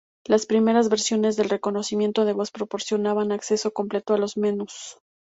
Las primeras versiones del reconocimiento de voz proporcionaban acceso completo a los menús.